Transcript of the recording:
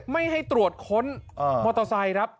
ไม่ให้ตรวจค้นมอเตอร์ไซค์ครับ